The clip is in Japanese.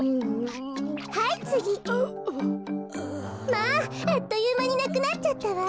まああっというまになくなっちゃったわ。